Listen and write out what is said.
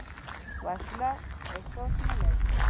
وسله احساس نه لري